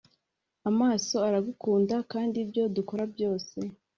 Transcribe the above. Amaso aragukunda kandi ibyo dukora byose